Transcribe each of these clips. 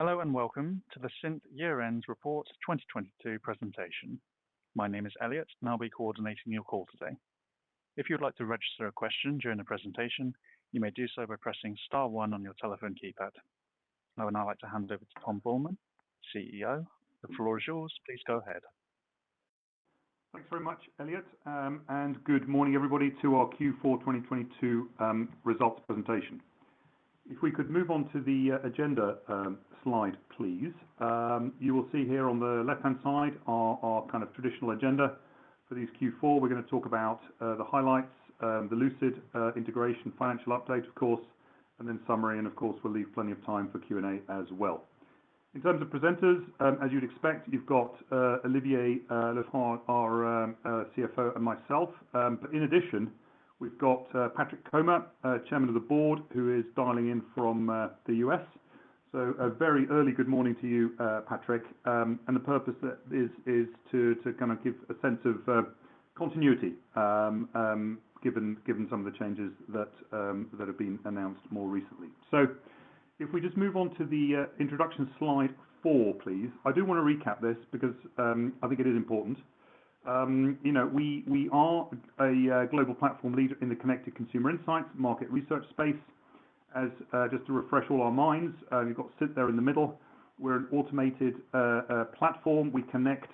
Hello, and welcome to the Cint year end report 2022 presentation. My name is Elliot, I'll be coordinating your call today. If you'd like to register a question during the presentation, you may do so by pressing star one on your telephone keypad. I would now like to hand over to Tom Buehlmann, CEO. The floor is yours. Please go ahead. Thanks very much, Elliot. Good morning, everybody, to our Q4 2022 results presentation. If we could move on to the agenda slide, please. You will see here on the left-hand side our kind of traditional agenda. For this Q4, we're gonna talk about the highlights, the Lucid integration financial update, of course, and then summary, and of course, we'll leave plenty of time for Q&A as well. In terms of presenters, as you'd expect, you've got Olivier Lefranc, our CFO, and myself. In addition, we've got Patrick Comer, Chairman of the Board, who is dialing in from the U.S. A very early good morning to you, Patrick. The purpose there is to kind of give a sense of continuity given some of the changes that have been announced more recently. If we just move on to the introduction slide four, please. I do wanna recap this because I think it is important. You know, we are a global platform leader in the connected consumer insights market research space. As just to refresh all our minds, you've got Cint there in the middle. We're an automated platform. We connect,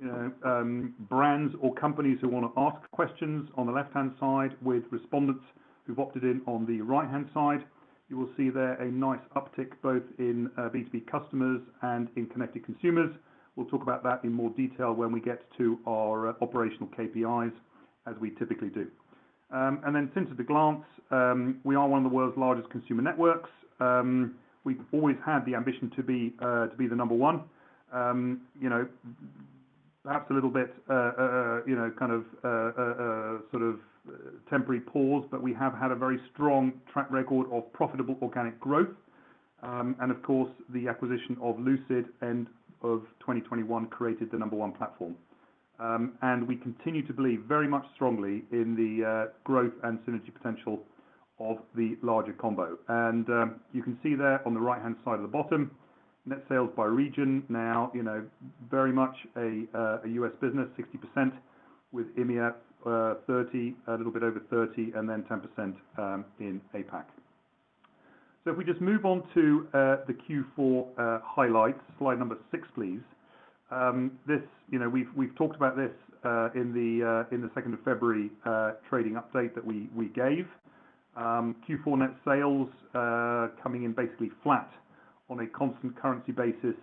you know, brands or companies who wanna ask questions on the left-hand side with respondents who've opted in on the right-hand side. You will see there a nice uptick both in B2B customers and in connected consumers. We'll talk about that in more detail when we get to our operational KPIs as we typically do. Then Cint at a glance, we are one of the world's largest consumer networks. We've always had the ambition to be the number one. you know, perhaps a little bit, you know, kind of a sort of temporary pause, but we have had a very strong track record of profitable organic growth. Of course, the acquisition of Lucid end of 2021 created the number one platform. We continue to believe very much strongly in the growth and synergy potential of the larger combo. You can see there on the right-hand side of the bottom, net sales by region now, you know, very much a U.S. business, 60%, with EMEA, 30%, a little bit over 30%, and then 10% in APAC. If we just move on to the Q4 highlights, slide six, please. This, you know, we've talked about this in the 2nd of February trading update that we gave. Q4 net sales coming in basically flat on a constant currency basis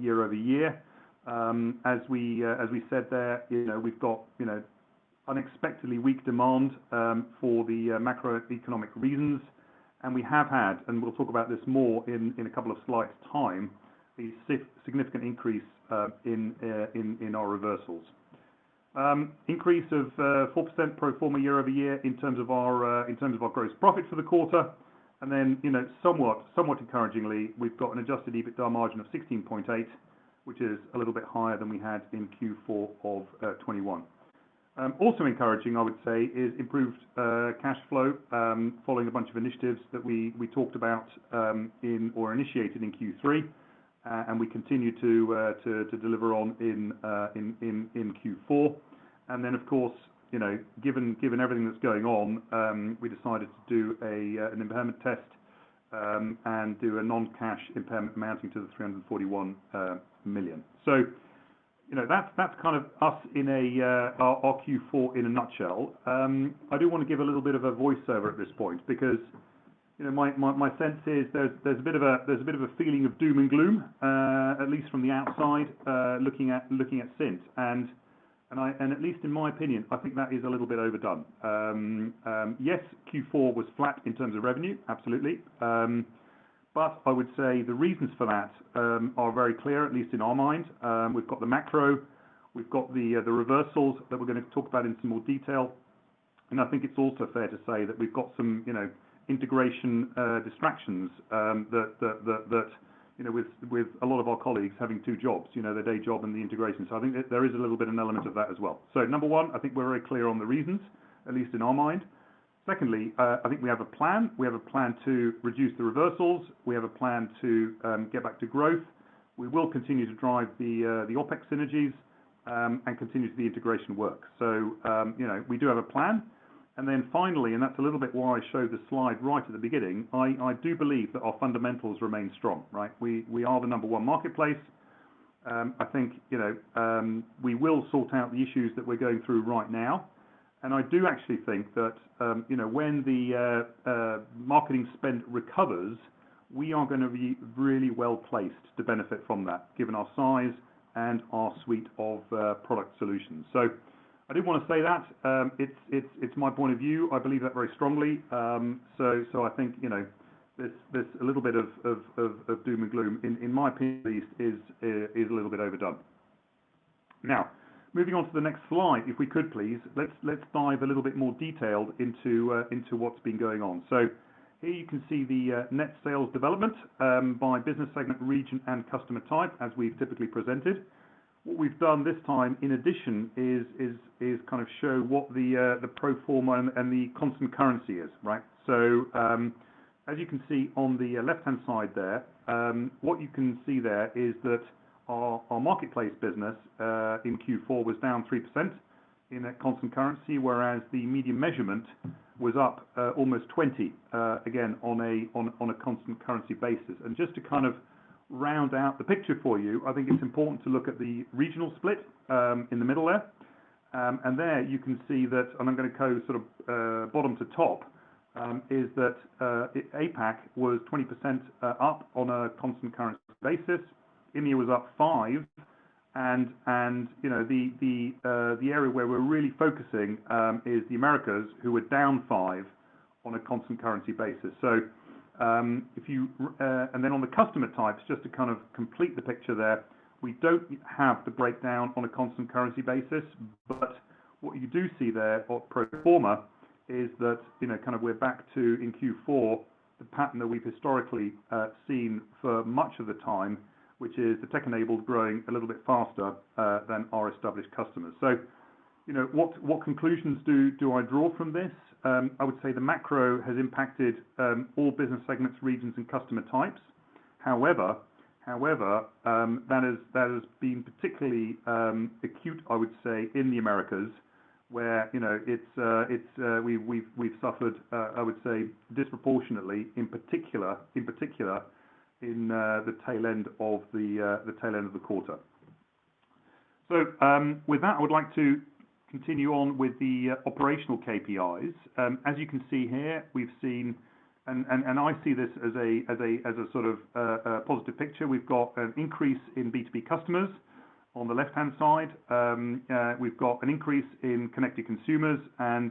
year-over-year. As we said there, you know, we've got, you know, unexpectedly weak demand for the macroeconomic reasons. We have had, and we'll talk about this more in a couple of slides' time, a significant increase in our reversals. Increase of 4% pro forma year-over-year in terms of our gross profit for the quarter. Then, you know, somewhat encouragingly, we've got an adjusted EBITDA margin of 16.8%, which is a little bit higher than we had in Q4 of 2021. Also encouraging, I would say, is improved cash flow following a bunch of initiatives that we talked about or initiated in Q3, and we continue to deliver on in Q4. Then, of course, you know, given everything that's going on, we decided to do an impairment test and do a non-cash impairment amounting to the 341 million. You know, that's kind of us in our Q4 in a nutshell. I do wanna give a little bit of a voiceover at this point because, you know, my, my sense is there's a bit of a, there's a bit of a feeling of doom and gloom, at least from the outside, looking at, looking at Cint. And at least in my opinion, I think that is a little bit overdone. Yes, Q4 was flat in terms of revenue, absolutely. I would say the reasons for that are very clear, at least in our mind. We've got the macro, we've got the reversals that we're gonna talk about in some more detail. I think it's also fair to say that we've got some, you know, integration distractions that, you know, with a lot of our colleagues having two jobs, you know, their day job and the integration. I think there is a little bit an element of that as well. Number one, I think we're very clear on the reasons, at least in our mind. Secondly, I think we have a plan. We have a plan to reduce the reversals. We have a plan to get back to growth. We will continue to drive the OpEx synergies and continue the integration work. You know, we do have a plan. Then finally, and that's a little bit why I showed the slide right at the beginning, I do believe that our fundamentals remain strong, right? We are the number one marketplace. I think, you know, we will sort out the issues that we're going through right now. I do actually think that, you know, when the marketing spend recovers, we are gonna be really well placed to benefit from that, given our size and our suite of product solutions. I did wanna say that, it's my point of view. I believe that very strongly. So I think, you know, this a little bit of doom and gloom in my opinion at least is a little bit overdone. Moving on to the next slide, if we could please, let's dive a little bit more detailed into what's been going on. Here you can see the net sales development by business segment, region, and customer type as we've typically presented. What we've done this time, in addition, is kind of show what the pro forma and the constant currency is, right? As you can see on the left-hand side there, what you can see there is that our marketplace business in Q4 was down 3% in constant currency, whereas the media measurement was up almost 20% again on a constant currency basis. Just to kind of round out the picture for you, I think it's important to look at the regional split in the middle left. There you can see that, and I'm gonna go sort of bottom to top, is that APAC was 20% up on a constant currency basis. EMEA was up 5% and, you know, the area where we're really focusing is the Americas who were down 5% on a constant currency basis. On the customer types, just to kind of complete the picture there, we don't have the breakdown on a constant currency basis. What you do see there of pro forma is that, you know, kind of we're back to in Q4, the pattern that we've historically seen for much of the time, which is the tech-enabled growing a little bit faster than our established customers. You know, what conclusions do I draw from this? I would say the macro has impacted all business segments, regions, and customer types. However, that has been particularly acute, I would say, in the Americas, where, you know, it's, we've suffered, I would say disproportionately, in particular in the tail end of the quarter. With that, I would like to continue on with the operational KPIs. As you can see here, we've seen, and I see this as a sort of positive picture. We've got an increase in B2B customers on the left-hand side. We've got an increase in connected consumers and,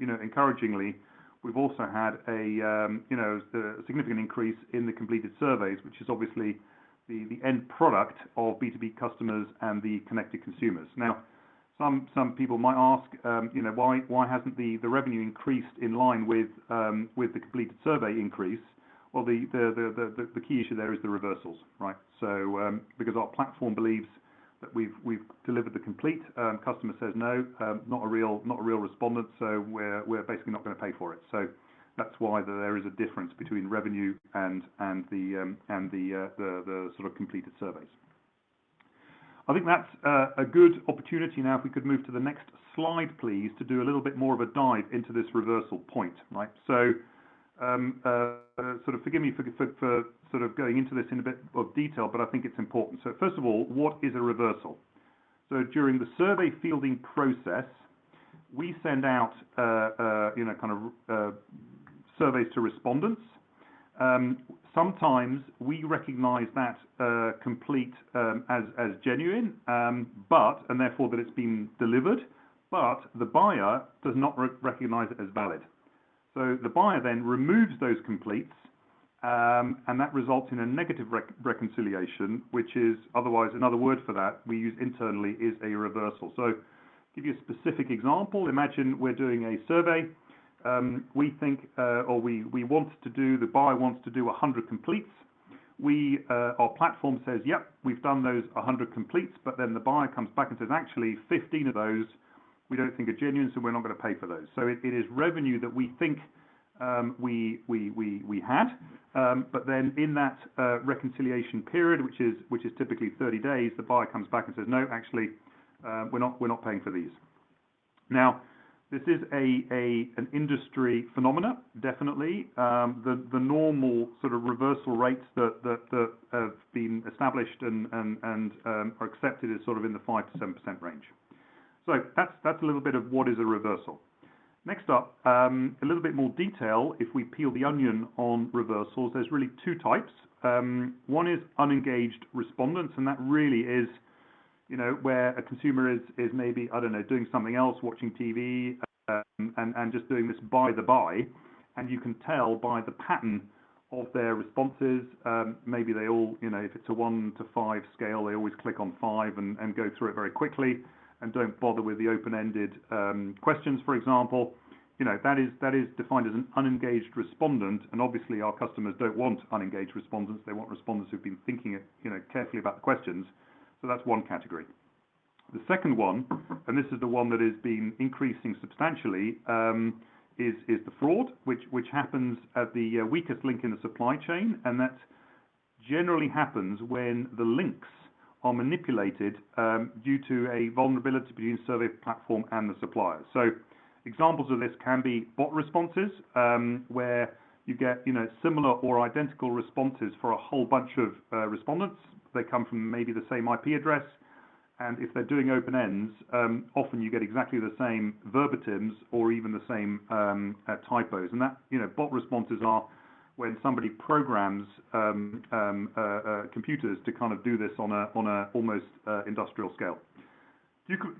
you know, encouragingly, we've also had a, you know, significant increase in the completed surveys, which is obviously the end product of B2B customers and the connected consumers. Now, some people might ask, you know, "Why hasn't the revenue increased in line with the completed survey increase?" Well, the key issue there is the reversals, right? Because our platform believes that we've delivered the complete, customer says, "No, not a real respondent, so we're basically not gonna pay for it." That's why there is a difference between revenue and the sort of completed surveys. I think that's a good opportunity now if we could move to the next slide, please, to do a little bit more of a dive into this reversal point, right? Forgive me for sort of going into this in a bit of detail, but I think it's important. First of all, what is a reversal? During the survey fielding process, we send out, you know, kind of, surveys to respondents. Sometimes we recognize that complete as genuine, and therefore that it's been delivered, but the buyer does not recognize it as valid. The buyer then removes those completes, and that results in a negative reconciliation, which is otherwise another word for that we use internally is a reversal. Give you a specific example. Imagine we're doing a survey. We think, or we want to do, the buyer wants to do 100 completes. Our platform says, "Yep, we've done those 100 completes," the buyer comes back and says, "Actually, 15 of those we don't think are genuine, so we're not gonna pay for those." It is revenue that we think we had. In that reconciliation period, which is typically 30 days, the buyer comes back and says, "No, actually, we're not paying for these." This is an industry phenomena, definitely. The normal sort of reversal rates that have been established and are accepted is sort of in the 5%-7% range. That's a little bit of what is a reversal. Next up, a little bit more detail if we peel the onion on reversals. There's really two types. One is unengaged respondents, and that really is, you know, where a consumer is maybe, I don't know, doing something else, watching TV, and just doing this by the by, and you can tell by the pattern of their responses. Maybe they all, you know, if it's a 1-5 scale, they always click on five and go through it very quickly and don't bother with the open-ended questions, for example. You know, that is, that is defined as an unengaged respondent, and obviously, our customers don't want unengaged respondents. They want respondents who've been thinking, you know, carefully about the questions. That's one category. The second one, and this is the one that has been increasing substantially, is the fraud, which happens at the weakest link in the supply chain, and that generally happens when the links are manipulated, due to a vulnerability between the survey platform and the suppliers. Examples of this can be bot responses, where you get, you know, similar or identical responses for a whole bunch of respondents. They come from maybe the same IP address. If they're doing open ends, often you get exactly the same verbatims or even the same typos. That, you know, bot responses are when somebody programs computers to kind of do this on an almost industrial scale.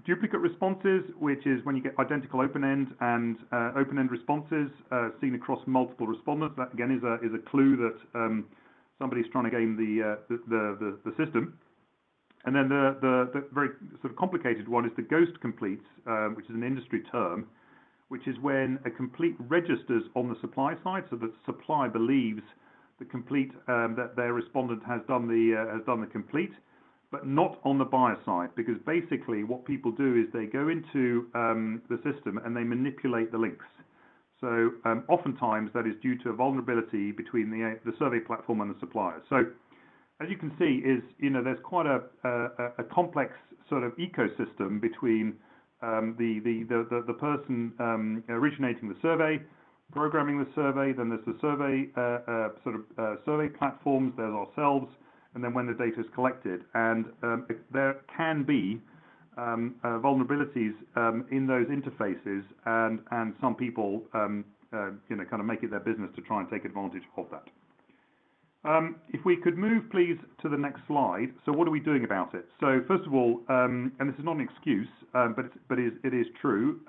Duplicate responses, which is when you get identical open-end responses seen across multiple respondents. That, again, is a clue that somebody's trying to game the system. Then the very sort of complicated one is the ghost completes, which is an industry term, which is when a complete registers on the supply side, so the supply believes the complete that their respondent has done the complete, but not on the buyer side. Basically what people do is they go into the system and they manipulate the links. Oftentimes that is due to a vulnerability between the survey platform and the supplier. As you can see is, you know, there's quite a complex sort of ecosystem between the person originating the survey, programming the survey, then there's the sort of survey platforms, there's ourselves, and then when the data is collected. There can be vulnerabilities in those interfaces and some people, you know, kind of make it their business to try and take advantage of that. If we could move please to the next slide. What are we doing about it? First of all, and this is not an excuse, but it is true,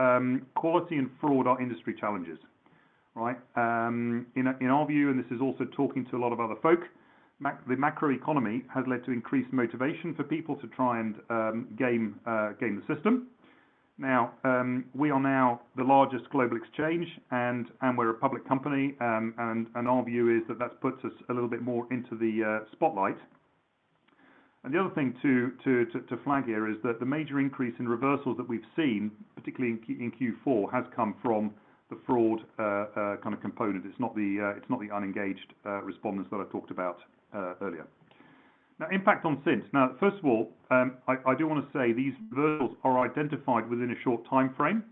quality and fraud are industry challenges, right? In our view, this is also talking to a lot of other folk, the macroeconomy has led to increased motivation for people to try and game the system. We are now the largest global exchange and we're a public company, and our view is that that puts us a little bit more into the spotlight. The other thing to flag here is that the major increase in reversals that we've seen, particularly in Q4, has come from the fraud kind of component. It's not the unengaged respondents that I talked about earlier. Impact on Cint. First of all, I do wanna say these reversals are identified within a short time frame.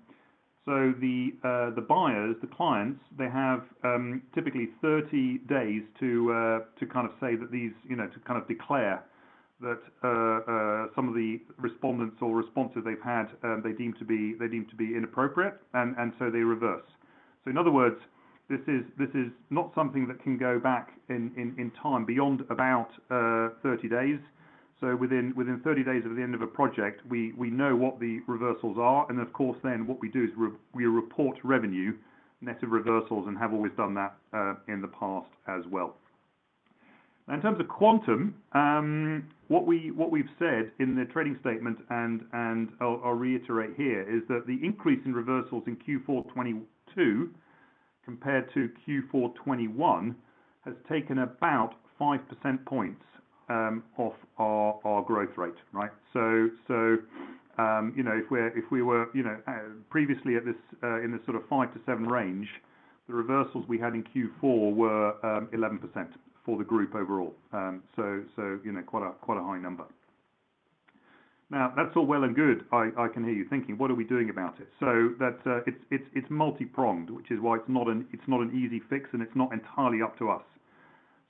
The buyers, the clients, they have, typically 30 days to kind of say that these, you know, to kind of declare that some of the respondents or responses they've had, they deem to be inappropriate, and so they reverse. In other words, this is not something that can go back in time beyond about 30 days. Within 30 days of the end of a project, we know what the reversals are. Of course, then what we do is we report revenue net of reversals, and have always done that in the past as well. In terms of quantum, what we've said in the trading statement, and I'll reiterate here, is that the increase in reversals in Q4 2022 compared to Q4 2021 has taken about 5 percentage points off our growth rate, right? So, you know, if we were, you know, previously at this, in this sort of 5-7 percentage points range, the reversals we had in Q4 were 11% for the group overall. So, you know, quite a high number. That's all well and good. I can hear you thinking, "What are we doing about it?" That, it's multi-pronged, which is why it's not an easy fix, and it's not entirely up to us.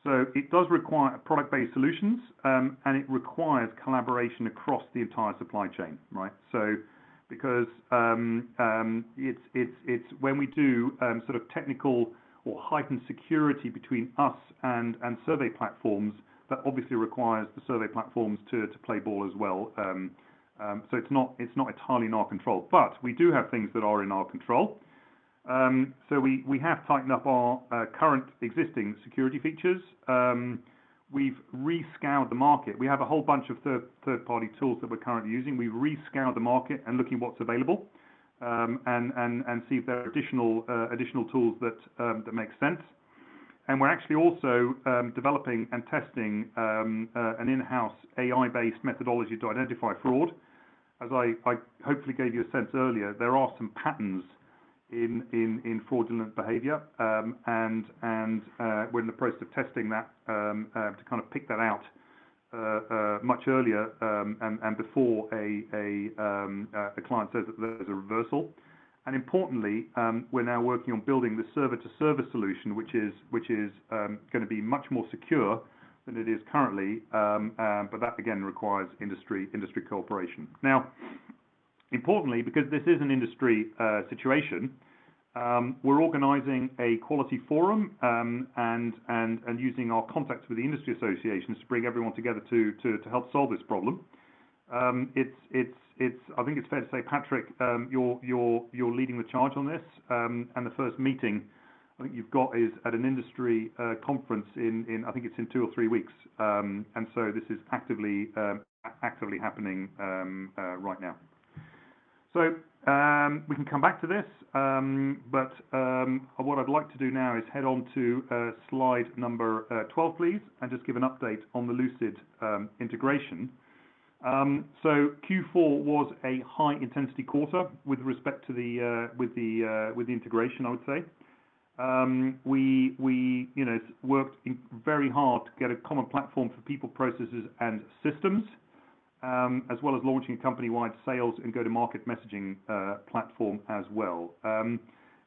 It does require product-based solutions, and it requires collaboration across the entire supply chain, right? Because it's when we do sort of technical or heightened security between us and survey platforms, that obviously requires the survey platforms to play ball as well. It's not entirely in our control. We do have things that are in our control. We have tightened up our current existing security features. We've re-scanned the market. We have a whole bunch of third-party tools that we're currently using. We've re-scanned the market and looking at what's available, and see if there are additional tools that make sense. We're actually also developing and testing an in-house AI-based methodology to identify fraud. As I hopefully gave you a sense earlier, there are some patterns in fraudulent behavior. We're in the process of testing that to kind of pick that out much earlier and before a client says that there's a reversal. Importantly, we're now working on building the server-to-server solution, which is gonna be much more secure than it is currently. That again requires industry cooperation. Importantly, because this is an industry situation, we're organizing a quality forum and using our contacts with the industry associations to bring everyone together to help solve this problem. It's I think it's fair to say, Patrick, you're leading the charge on this. The first meeting I think you've got is at an industry conference in, I think it's in two or three weeks. This is actively happening right now. We can come back to this. What I'd like to do now is head on to slide number 12, please, and just give an update on the Lucid integration. Q4 was a high-intensity quarter with respect to the integration, I would say. We, you know, worked very hard to get a common platform for people, processes, and systems, as well as launching company-wide sales and go-to-market messaging platform as well.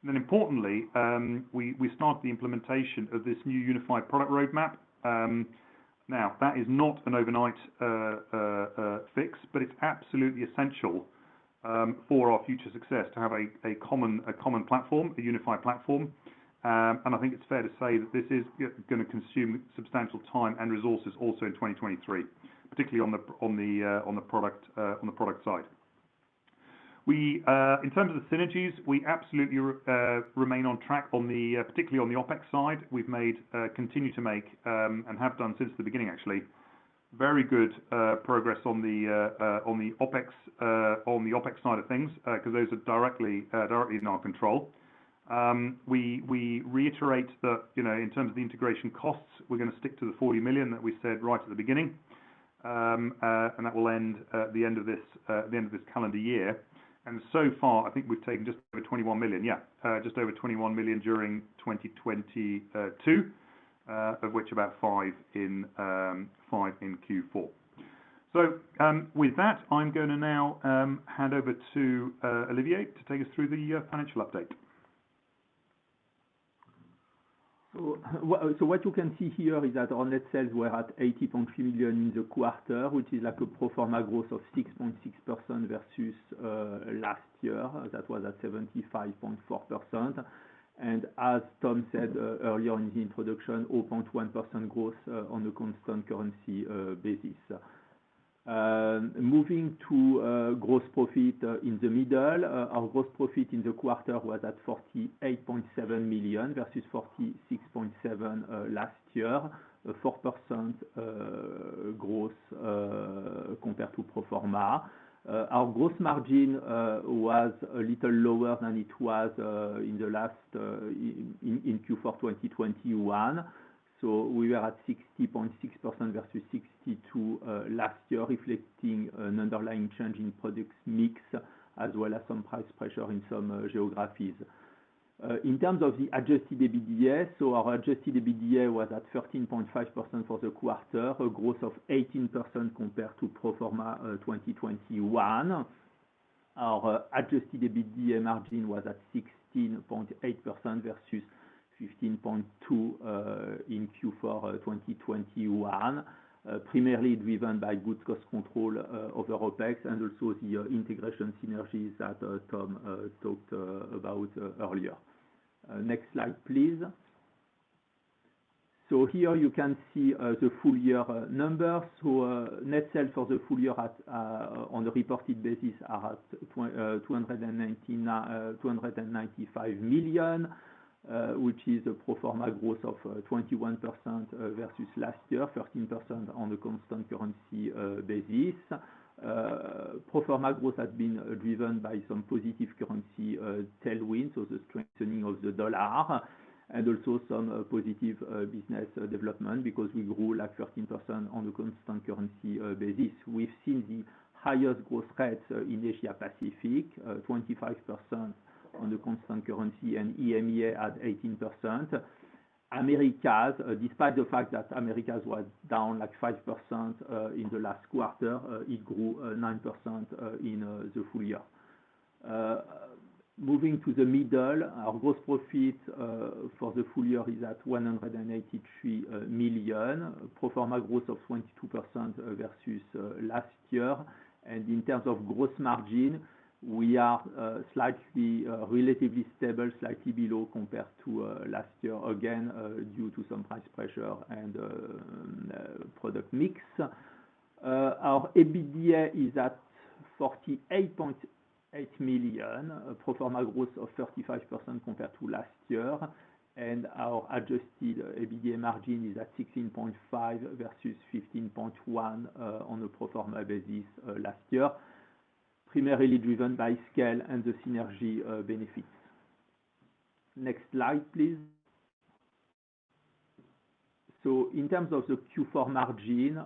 Importantly, we started the implementation of this new unified product roadmap. Now that is not an overnight fix, but it's absolutely essential for our future success to have a common platform, a unified platform. I think it's fair to say that this is gonna consume substantial time and resources also in 2023, particularly on the product side. We, in terms of the synergies, we absolutely remain on track on the particularly on the OpEx side. We've made, continue to make, and have done since the beginning actually very good progress on the OpEx side of things, 'cause those are directly in our control. We reiterate that, you know, in terms of the integration costs, we're gonna stick to 40 million that we said right at the beginning. And that will end at the end of this, the end of this calendar year. So far, I think we've taken just over 21 million. Yeah. Just over 21 million during 2022, of which about 5 million in Q4. With that, I'm gonna now hand over to Olivier to take us through the financial update. What you can see here is that our net sales were at 83 million in the quarter, which is like a pro forma growth of 6.6% versus last year that was at 75.4%. As Tom said earlier in the introduction, 0.1% growth on the constant currency basis. Moving to gross profit in the middle. Our gross profit in the quarter was at 48.7 million versus 46.7 million last year. A 4% growth compared to pro forma. Our gross margin was a little lower than it was in the last in Q4 2021. We are at 60.6% versus 62% last year, reflecting an underlying change in products mix, as well as some price pressure in some geographies. In terms of the adjusted EBITDA, our adjusted EBITDA was at 13.5% for the quarter, a growth of 18% compared to pro forma 2021. Our adjusted EBITDA margin was at 16.8% versus 15.2% in Q4 2021. Primarily driven by good cost control of the OPEX and also the integration synergies that Tom talked about earlier. Next slide, please. Here you can see the full year numbers. Net sales for the full year at on a reported basis are at $295 million, which is the pro forma growth of 21% versus last year, 13% on the constant currency basis. Pro forma growth has been driven by some positive currency tailwind, so the strengthening of the dollar, and also some positive business development because we grew like 13% on the constant currency basis. We've seen the highest growth rates in Asia Pacific, 25% on the constant currency and EMEA at 18%. Americas, despite the fact that Americas was down like 5% in the last quarter, it grew 9% in the full year. Moving to the middle, our gross profit for the full year is at 183 million, pro forma growth of 22% versus last year. In terms of gross margin, we are slightly relatively stable, slightly below compared to last year, again, due to some price pressure and product mix. Our EBITDA is at 48.8 million, pro forma growth of 35% compared to last year. Our adjusted EBITDA margin is at 16.5% versus 15.1% on a pro forma basis last year, primarily driven by scale and the synergy benefits. Next slide, please. In terms of the Q4 margin,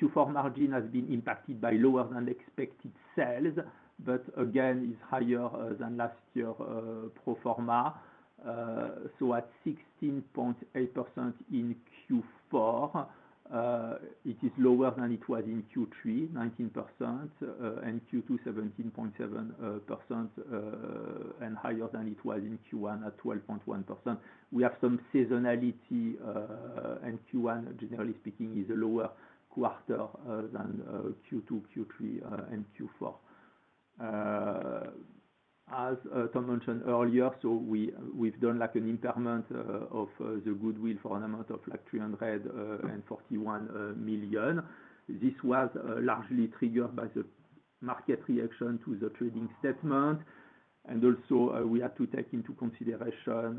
Q4 margin has been impacted by lower than expected sales, but again is higher than last year pro forma. At 16.8% in Q4, it is lower than it was in Q3, 19%, and Q2 17.7%, and higher than it was in Q1 at 12.1%. We have some seasonality, Q1, generally speaking, is a lower quarter than Q2, Q3, and Q4. As Tom mentioned earlier, we've done like an impairment of the goodwill for an amount of like 341 million. This was largely triggered by the market reaction to the trading statement. Also, we had to take into consideration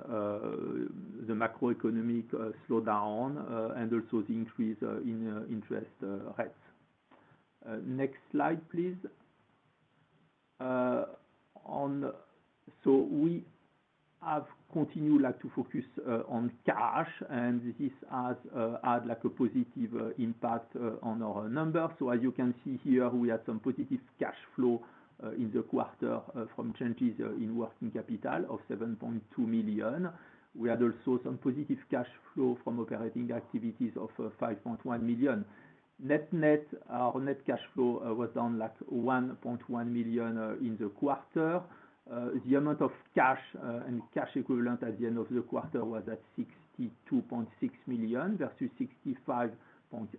the macroeconomic slowdown and also the increase in interest rates. Next slide, please. We have continued, like, to focus on cash, and this has had like a positive impact on our numbers. As you can see here, we had some positive cash flow in the quarter from changes in working capital of 7.2 million. We had also some positive cash flow from operating activities of 5.1 million. Net, net, our net cash flow was down like 1.1 million in the quarter. The amount of cash and cash equivalent at the end of the quarter was at 62.6 million, versus 65.8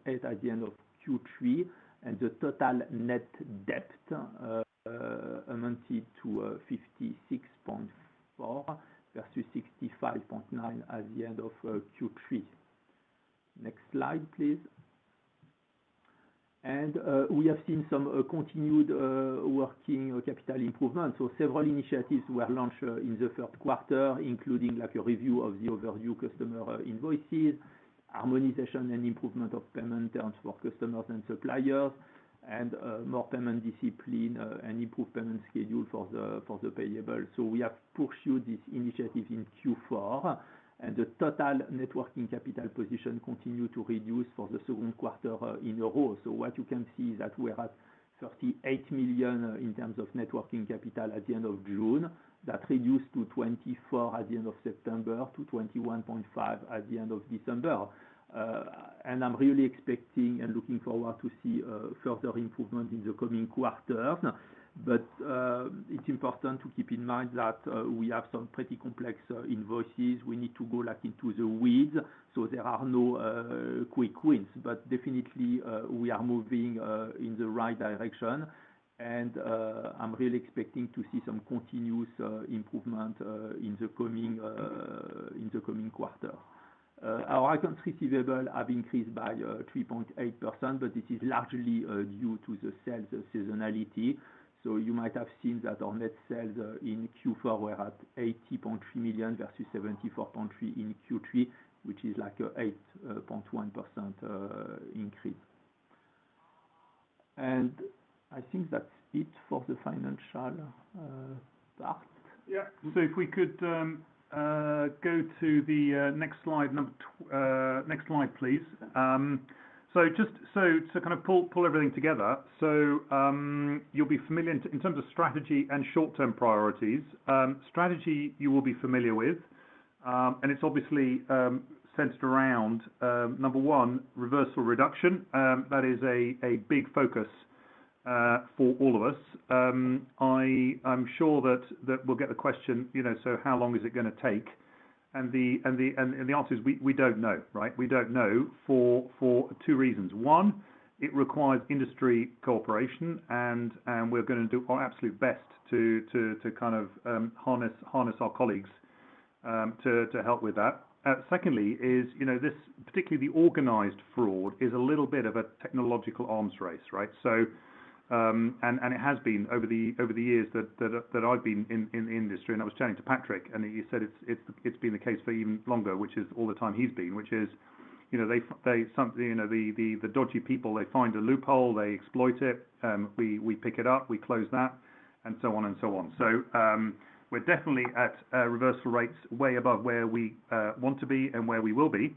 million at the end of Q3. The total net debt amounted to SEK 56.4 million versus SEK 65.9 million at the end of Q3. Next slide, please. We have seen some continued working capital improvement. Several initiatives were launched in the third quarter, including like a review of the overdue customer invoices, harmonization and improvement of payment terms for customers and suppliers, and more payment discipline and improved payment schedule for the payable. We have pursued this initiative in Q4, and the total net working capital position continue to reduce for the second quarter in a row. What you can see is that we're at 38 million in terms of net working capital at the end of June. That reduced to 24 million at the end of September, to 21.5 million at the end of December. I'm really expecting and looking forward to see further improvement in the coming quarters. It's important to keep in mind that we have some pretty complex invoices. We need to go like into the weeds, so there are no quick wins. Definitely, we are moving in the right direction. I'm really expecting to see some continuous improvement in the coming in the coming quarter. Our accounts receivable have increased by 3.8%, but this is largely due to the sales seasonality. You might have seen that our net sales in Q4 were at 80.3 million versus 74.3 million in Q3, which is like a 8.1% increase. I think that's it for the financial part. Yeah. If we could go to the next slide, please. Just to kind of pull everything together. You'll be familiar in terms of strategy and short-term priorities, strategy you will be familiar with, and it's obviously centered around one reversal reduction. That is a big focus for all of us. I'm sure that we'll get the question, you know, so how long is it gonna take? The answer is we don't know, right? We don't know for two reasons. One, it requires industry cooperation and we're gonna do our absolute best to kind of harness our colleagues to help with that. Secondly is, you know, this particularly the organized fraud is a little bit of a technological arms race, right? And it has been over the years that I've been in the industry, and I was chatting to Patrick, and he said it's been the case for even longer, which is all the time he's been, which is, you know, they some... You know, the dodgy people, they find a loophole, they exploit it, we pick it up, we close that, and so on and so on. We're definitely at reversal rates way above where we want to be and where we will be.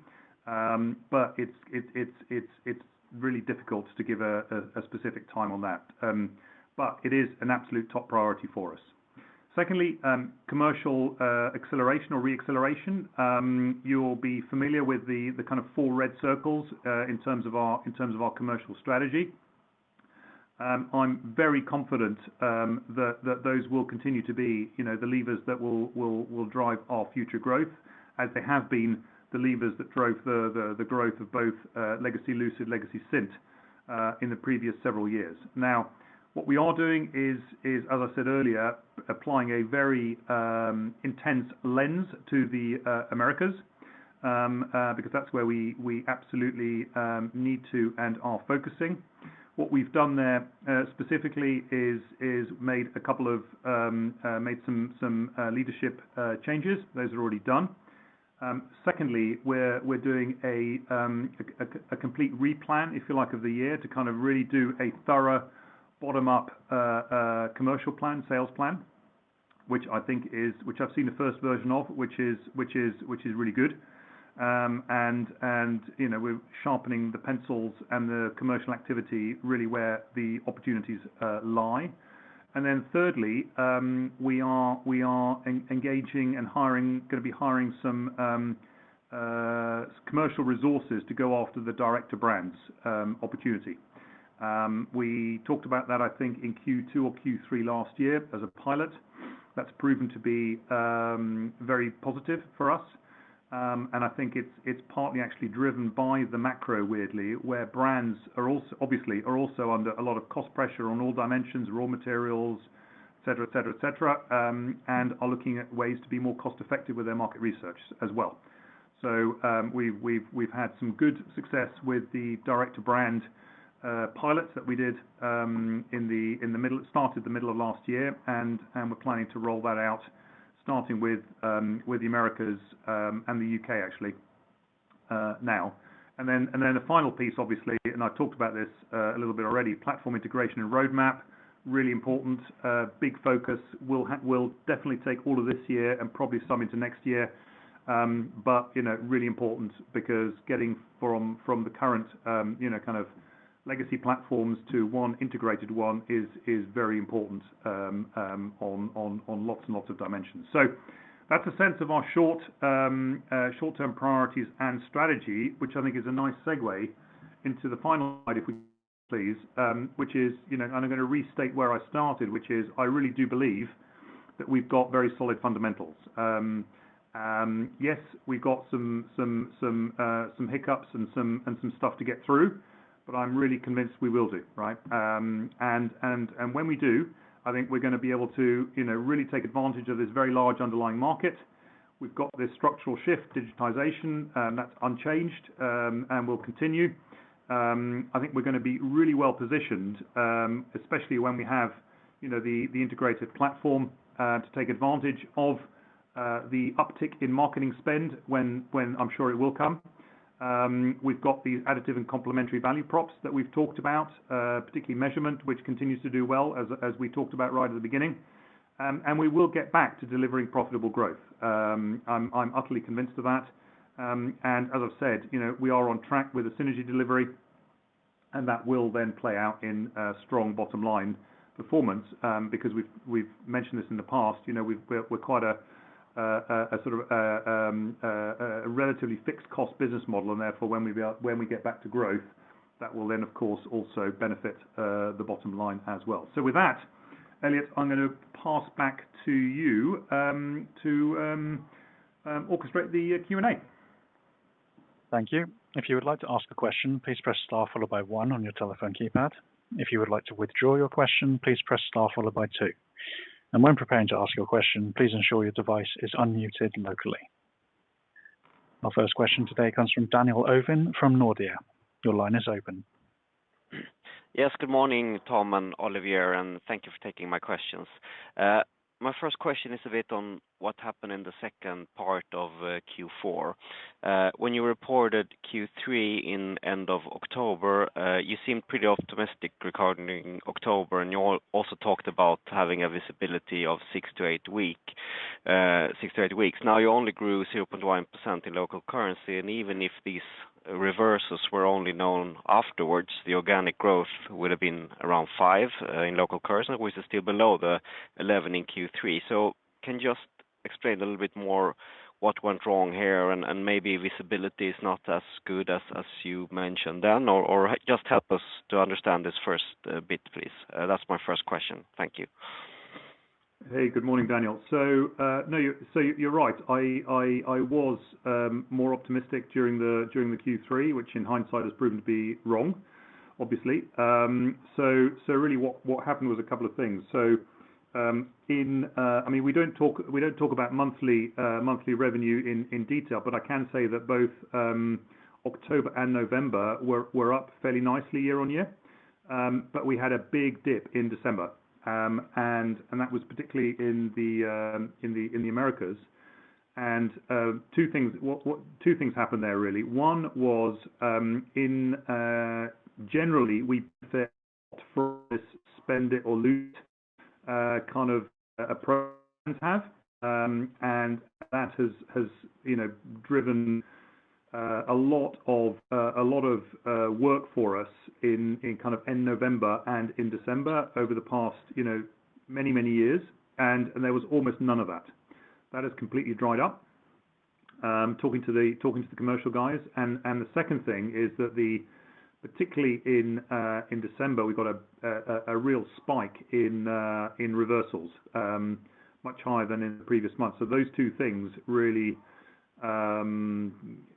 It's really difficult to give a specific time on that. It is an absolute top priority for us. Secondly, commercial acceleration or re-acceleration. You'll be familiar with the kind of four red circles in terms of our commercial strategy. I'm very confident that those will continue to be, you know, the levers that will drive our future growth as they have been the levers that drove the growth of both legacy Lucid, legacy Cint in the previous several years. What we are doing is, as I said earlier, applying a very intense lens to the Americas because that's where we absolutely need to and are focusing. What we've done there specifically is made a couple of made some leadership changes. Those are already done. secondly, we're doing a complete replan, if you like, of the year to kind of really do a thorough bottom-up commercial plan, sales plan, which I think is. Which I've seen the first version of, which is really good. you know, we're sharpening the pencils and the commercial activity really where the opportunities lie. thirdly, we are engaging and hiring, gonna be hiring some commercial resources to go after the direct-to-brands opportunity. We talked about that I think in Q2 or Q3 last year as a pilot. That's proven to be very positive for us. I think it's partly actually driven by the macro weirdly, where brands are also, obviously, are also under a lot of cost pressure on all dimensions, raw materials, et cetera, et cetera, et cetera, and are looking at ways to be more cost-effective with their market research as well. We've had some good success with the direct-to-brand pilots that we did in the middle, started the middle of last year, and we're planning to roll that out starting with the Americas and the U.K. actually now. The final piece obviously, and I've talked about this a little bit already, platform integration and roadmap, really important. Big focus will definitely take all of this year and probably some into next year. You know, really important because getting from the current, you know, kind of legacy platforms to one integrated one is very important on lots and lots of dimensions. That's a sense of our short-term priorities and strategy, which I think is a nice segue into the final slide, if we please. Which is, you know, and I'm gonna restate where I started, which is I really do believe that we've got very solid fundamentals. Yes, we've got some hiccups and some stuff to get through, but I'm really convinced we will do, right? When we do, I think we're gonna be able to, you know, really take advantage of this very large underlying market. We've got this structural shift, digitization, that's unchanged and will continue. I think we're gonna be really well-positioned, especially when we have, you know, the integrated platform to take advantage of the uptick in marketing spend when I'm sure it will come. We've got these additive and complementary value props that we've talked about, particularly measurement, which continues to do well, as we talked about right at the beginning. And we will get back to delivering profitable growth. I'm utterly convinced of that. As I've said, you know, we are on track with the synergy delivery, and that will then play out in a strong bottom line performance, because we've mentioned this in the past, you know, we're quite a sort of a relatively fixed cost business model, and therefore, when we get back to growth, that will then, of course, also benefit the bottom line as well. With that, Elliot, I'm gonna pass back to you to orchestrate the Q&A. Thank you. If you would like to ask a question, please press star followed by one on your telephone keypad. If you would like to withdraw your question, please press star followed by two. When preparing to ask your question, please ensure your device is unmuted locally. Our first question today comes from Daniel Ovin from Nordea. Your line is open. Good morning, Tom and Olivier, thank you for taking my questions. My first question is a bit on what happened in the second part of Q4. When you reported Q3 in end of October, you seemed pretty optimistic regarding October, and you also talked about having a visibility of six to eight weeks. Now, you only grew 0.1% in local currency, and even if these reversals were only known afterwards, the organic growth would have been around 5% in local currency, which is still below the 11% in Q3. Can you just explain a little bit more what went wrong here and, maybe visibility is not as good as you mentioned then or, just help us to understand this first bit, please? That's my first question. Thank you. Hey, good morning, Daniel. You're right. I was more optimistic during the Q3, which in hindsight has proven to be wrong, obviously. Really what happened was a couple of things. I mean, we don't talk about monthly revenue in detail, but I can say that both October and November were up fairly nicely year-on-year. But we had a big dip in December, and that was particularly in the Americas. Two things happened there, really. One was, generally, we for this spend it or lose kind of approach have, that has, you know, driven a lot of work for us in kind of in November and in December over the past, you know, many years, and there was almost none of that. That has completely dried up, talking to the commercial guys. The second thing is that particularly in December, we got a real spike in reversals, much higher than in the previous months. Those two things really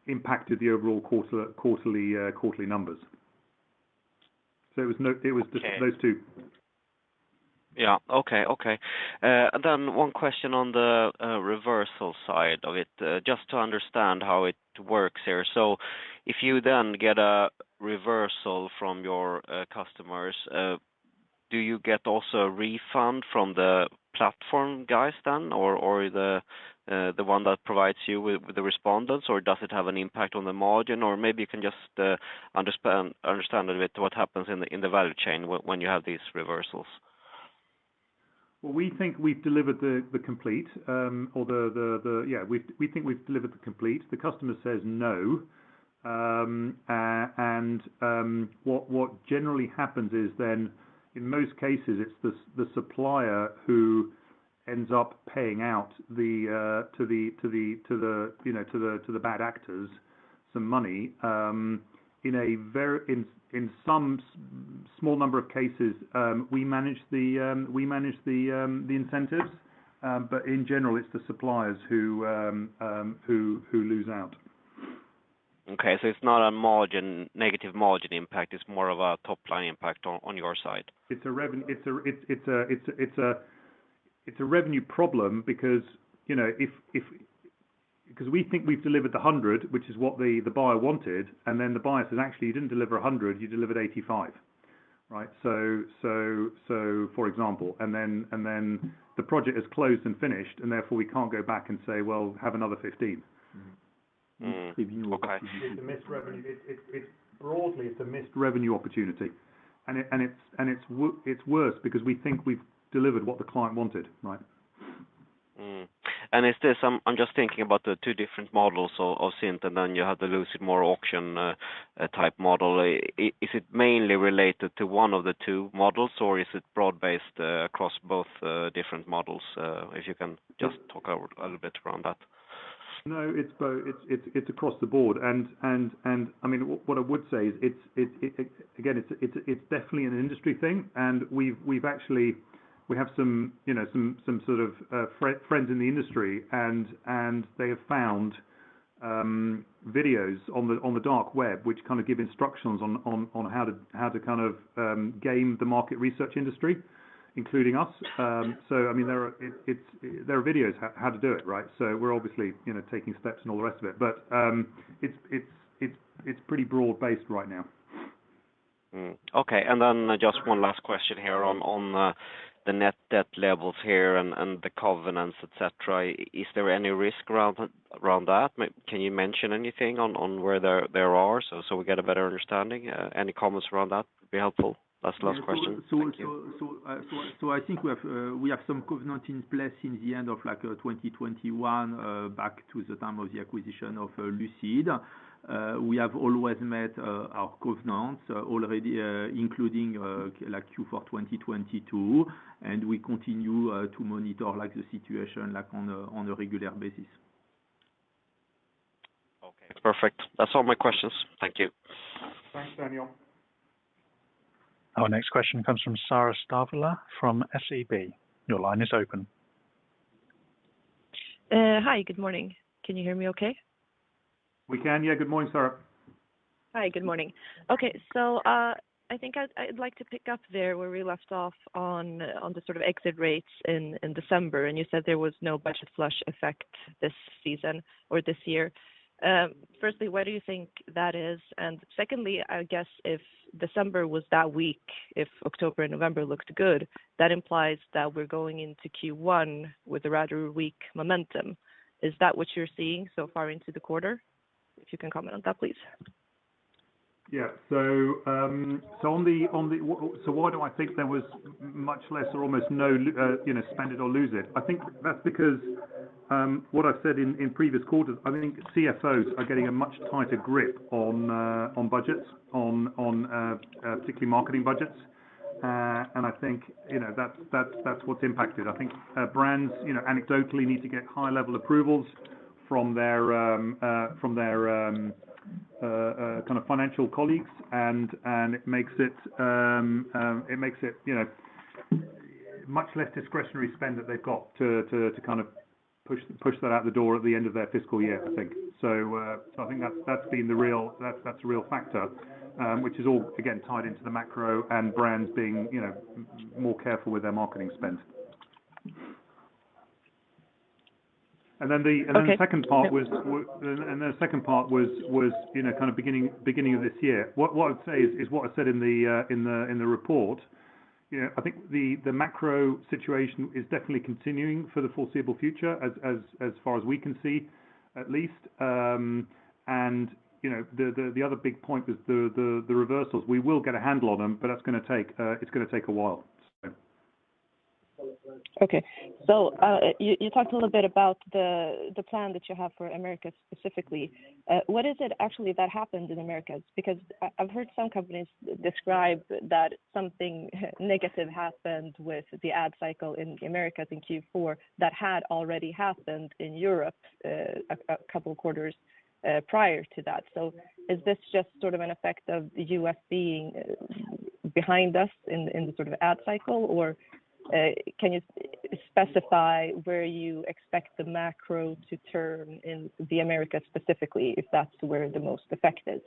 impacted the overall quarterly numbers. It was just those two. Okay. Yeah. Okay. One question on the reversal side of it, just to understand how it works here. If you then get a reversal from your customers, do you get also a refund from the platform guys then or the one that provides you with the respondents or does it have an impact on the margin? Maybe you can just understand a little bit what happens in the value chain when you have these reversals? Well, we think we've delivered the complete. Yeah, we think we've delivered the complete. The customer says no. What generally happens is then in most cases, it's the supplier who ends up paying out the to the, you know, to the bad actors some money. In a very, in some small number of cases, we manage the incentives, but in general, it's the suppliers who lose out. Okay. It's not a negative margin impact, it's more of a top-line impact on your side. It's a revenue problem because, you know, if 'cause we think we've delivered the 100, which is what the buyer wanted, and then the buyer says, "Actually, you didn't deliver 100, you delivered 85." Right? For example, and then the project is closed and finished, and therefore we can't go back and say, "Well, have another 15. Okay. Broadly, it's a missed revenue opportunity. It's worse because we think we've delivered what the client wanted, right? I'm just thinking about the two different models of Cint, and then you have the Lucid more auction-type model. Is it mainly related to one of the two models, or is it broad-based across both different models? If you can just talk a little bit around that. No, it's across the board. I mean, what I would say is again, it's definitely an industry thing. We've actually, we have some, you know, some sort of friends in the industry and they have found videos on the dark web, which kind of give instructions on how to kind of game the market research industry, including us. I mean, there are videos how to do it, right? We're obviously, you know, taking steps and all the rest of it. It's pretty broad-based right now. Okay. Then just one last question here on net debt levels here and the covenants, et cetera. Is there any risk around that? Can you mention anything on where there are, so we get a better understanding? Any comments around that would be helpful. That's the last question. Thank you. I think we have some covenants in place in the end of, like, 2021, back to the time of the acquisition of Lucid. We have always met our covenants already, including, like, Q4 2022. We continue to monitor, like, the situation, like, on a regular basis. Okay. Perfect. That's all my questions. Thank you. Thanks, Daniel. Our next question comes from Sara Starovlah from SEB. Your line is open. Hi. Good morning. Can you hear me okay? We can. Yeah. Good morning, Sara. Hi. Good morning. Okay. I think I'd like to pick up there where we left off on the sort of exit rates in December, and you said there was no budget flush effect this season or this year. Firstly, why do you think that is? Secondly, I guess if December was that weak, if October and November looked good, that implies that we're going into Q1 with a rather weak momentum. Is that what you're seeing so far into the quarter? If you can comment on that, please. Why do I think there was much less or almost no, you know, spend it or lose it? I think that's because, what I've said in previous quarters, I think CFOs are getting a much tighter grip on budgets, on particularly marketing budgets. I think, you know, that's what's impacted. I think brands, you know, anecdotally need to get high-level approvals from their kind of financial colleagues and it makes it, you know, much less discretionary spend that they've got to push that out the door at the end of their fiscal year, I think.I think that's been the real, that's a real factor, which is all, again, tied into the macro and brands being, you know, more careful with their marketing spend. Okay. The second part was, you know, kind of beginning of this year. What I'd say is what I said in the report. You know, I think the macro situation is definitely continuing for the foreseeable future as far as we can see, at least. You know, the other big point is the reversals. We will get a handle on them, but that's gonna take a while. Okay. You talked a little bit about the plan that you have for Americas specifically. What is it actually that happened in Americas? Because I've heard some companies describe that something negative happened with the ad cycle in Americas in Q4 that had already happened in Europe, a couple of quarters prior to that. Is this just sort of an effect of the U.S. being behind us in the sort of ad cycle? Or can you specify where you expect the macro to turn in the Americas specifically, if that's where the most effect is?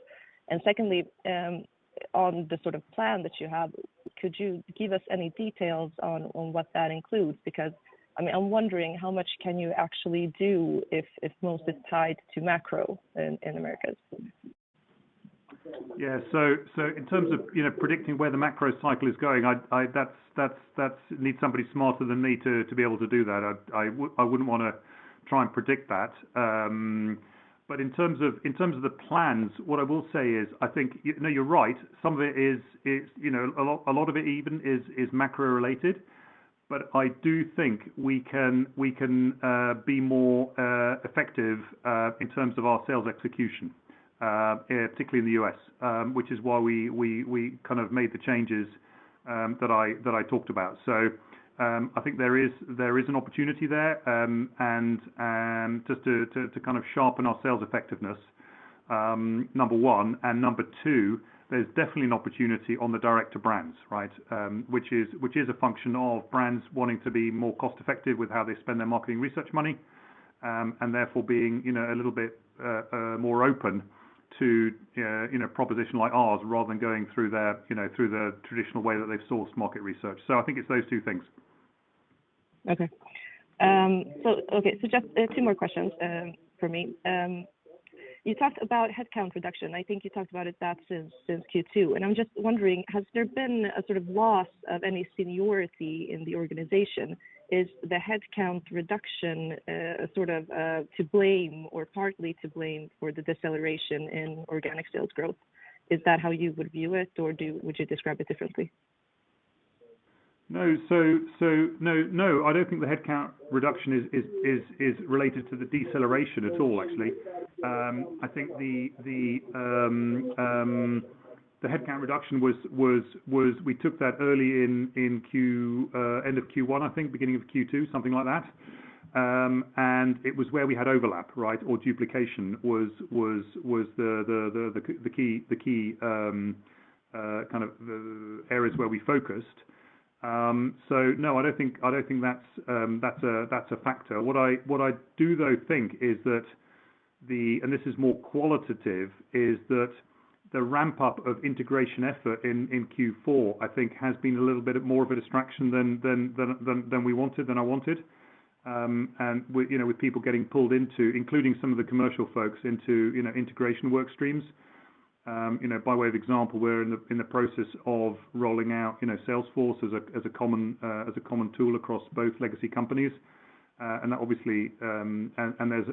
Secondly, on the sort of plan that you have, could you give us any details on what that includes? Because, I mean, I'm wondering how much can you actually do if most is tied to macro in Americas? Yeah. So in terms of, you know, predicting where the macro cycle is going, That's needs somebody smarter than me to be able to do that. I wouldn't wanna try and predict that. In terms of the plans, what I will say is, I think, you know, you're right. Some of it is, you know, a lot of it even is macro-related. I do think we can be more effective in terms of our sales execution, particularly in the U.S., which is why we kind of made the changes that I talked about. I think there is an opportunity there, and just to kind of sharpen our sales effectiveness, number one. Number two, there's definitely an opportunity on the direct-to-brands, right? Which is a function of brands wanting to be more cost-effective with how they spend their marketing research money, and therefore being, you know, a little bit more open to, you know, a proposition like ours rather than going through their, you know, through the traditional way that they've sourced market research. I think it's those two things. Okay. Just two more questions from me. You talked about headcount reduction. I think you talked about it that since Q2, I'm just wondering, has there been a sort of loss of any seniority in the organization? Is the headcount reduction sort of to blame or partly to blame for the deceleration in organic sales growth? Is that how you would view it, or would you describe it differently? No. No, I don't think the headcount reduction is related to the deceleration at all, actually. I think the headcount reduction was we took that early in end of Q1, I think, beginning of Q2, something like that. It was where we had overlap, right? Duplication was the key kind of the areas where we focused. No, I don't think that's a factor. What I do though think is that the and this is more qualitative, is that the ramp up of integration effort in Q4, I think has been a little bit more of a distraction than we wanted, than I wanted. With, you know, with people getting pulled into, including some of the commercial folks into, you know, integration work streams. You know, by way of example, we're in the process of rolling out, you know, Salesforce as a common tool across both legacy companies. That obviously, and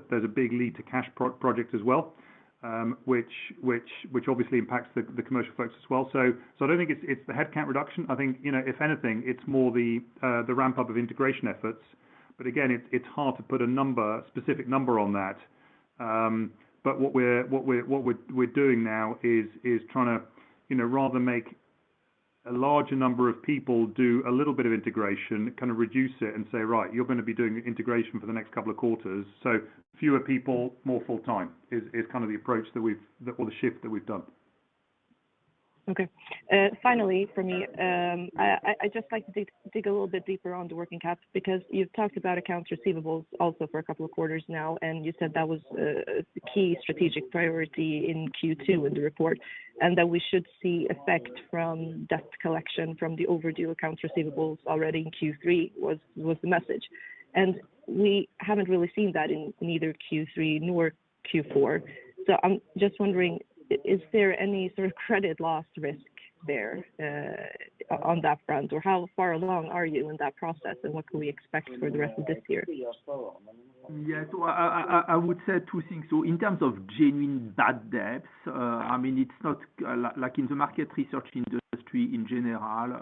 there's a big lead-to-cash project as well, which obviously impacts the commercial folks as well. I don't think it's the headcount reduction. I think, you know, if anything, it's more the ramp up of integration efforts. Again, it's hard to put a specific number on that. What we're doing now is trying to, you know, rather make a larger number of people do a little bit of integration, kind of reduce it and say, "Right, you're gonna be doing integration for the next couple of quarters." Fewer people, more full-time is kind of the approach that we've or the shift that we've done. Okay. Finally for me, I just like to dig a little bit deeper on the working caps, because you've talked about accounts receivables also for two quarters now, and you said that was a key strategic priority in Q2 in the report, and that we should see effect from debt collection from the overdue accounts receivables already in Q3, was the message. We haven't really seen that in neither Q3 nor Q4. I'm just wondering, is there any sort of credit loss risk there on that front? How far along are you in that process, and what can we expect for the rest of this year? Yeah. I would say two things. In terms of genuine bad debts, I mean, it's not like in the market research industry in general,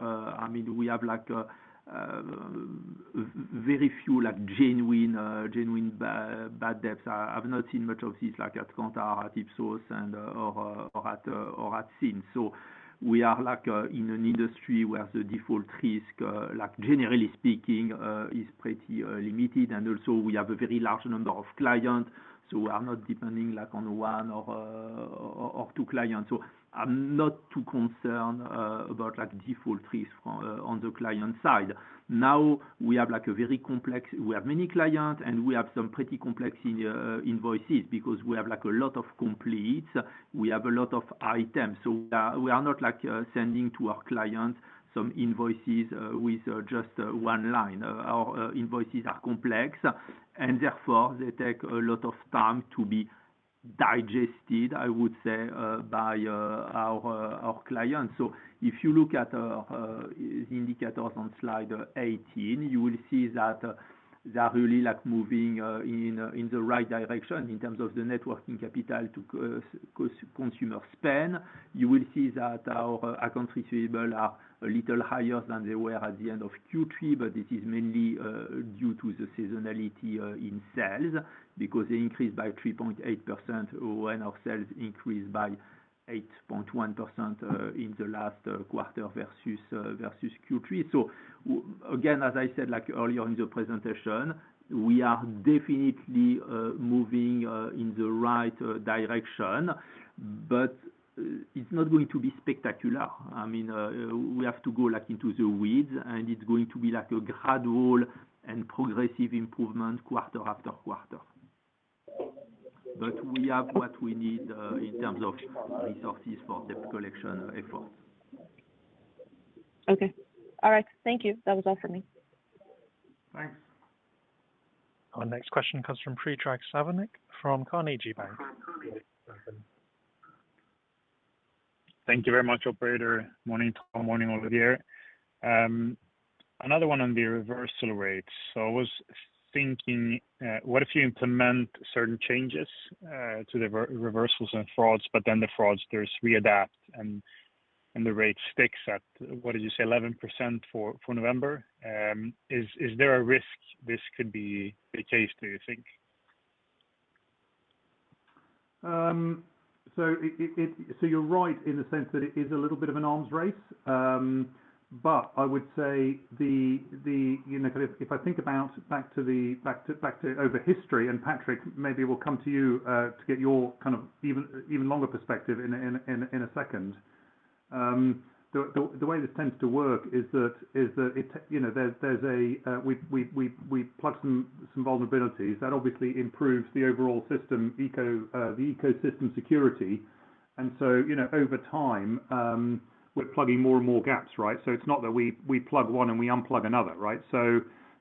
I mean, we have, like, a very few, like, genuine bad debts. I've not seen much of this, like, at Kantar, at Ipsos or at Cint. We are, like, in an industry where the default risk, like generally speaking, is pretty limited. Also we have a very large number of clients, so we are not depending, like, on one or two clients. I'm not too concerned about, like, default risk from on the client side. We have, like, a very complex... We have many clients, we have some pretty complex invoices because we have, like, a lot of completes. We have a lot of items. We are not, like, sending to our clients some invoices with just one line. Our invoices are complex, and therefore they take a lot of time to be digested, I would say, by our clients. If you look at the indicators on slide 18, you will see that they're really, like, moving in the right direction in terms of the net working capital to consumer spend. You will see that our accounts receivable are a little higher than they were at the end of Q3. This is mainly due to the seasonality in sales because they increased by 3.8% when our sales increased by 8.1% in the last quarter, versus Q3. Again, as I said, like, earlier in the presentation, we are definitely moving in the right direction. It's not going to be spectacular. I mean, we have to go, like, into the weeds, and it's going to be, like, a gradual and progressive improvement quarter after quarter. We have what we need in terms of resources for debt collection efforts. Okay. All right. Thank you. That was all for me. Thanks. Our next question comes from Predrag Savinovic from Carnegie Investment Bank. Thank you very much, operator. Morning, Tom. Morning, Olivier. Another one on the reversal rates. I was thinking, what if you implement certain changes to the reversals and frauds, but then the frauds, there's readapt and the rate sticks at, what did you say, 11% for November? Is there a risk this could be the case, do you think? You're right in the sense that it is a little bit of an arms race. I would say the... You know, 'cause if I think about back to over history, and Patrick, maybe we'll come to you to get your, kind of, even longer perspective in a second. The way this tends to work is that it, you know, there's a, we plug some vulnerabilities. That obviously improves the overall system ecosystem security. You know, over time, we're plugging more and more gaps, right? It's not that we plug one and we unplug another, right?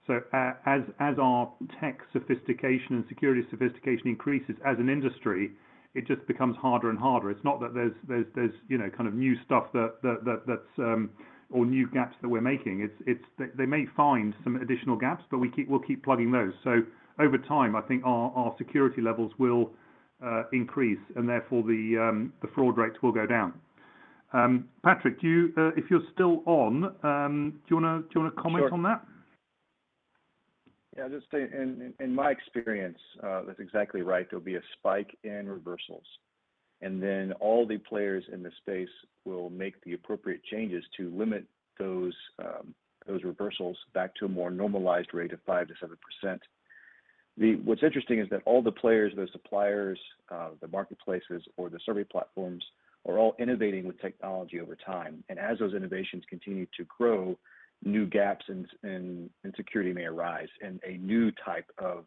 As our tech sophistication and security sophistication increases as an industry, it just becomes harder and harder. It's not that there's, you know, kind of new stuff that's or new gaps that we're making. It's. They may find some additional gaps, but we'll keep plugging those. Over time, I think our security levels will increase and therefore the fraud rates will go down. Patrick, if you're still on, do you wanna comment on that? Sure. Yeah. In my experience, that's exactly right. There'll be a spike in reversals, and then all the players in the space will make the appropriate changes to limit those reversals back to a more normalized rate of 5%-7%. What's interesting is that all the players, the suppliers, the marketplaces or the survey platforms are all innovating with technology over time. As those innovations continue to grow, new gaps in security may arise and a new type of